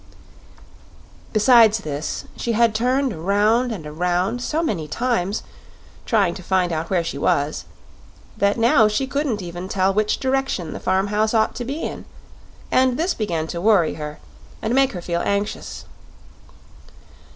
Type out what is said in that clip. Besides this, she had turned around and around so many times trying to find out where she was, that now she couldn't even tell which direction the farm house ought to be in; and this began to worry her and make her feel anxious.